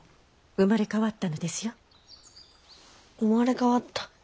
生まれ変わった。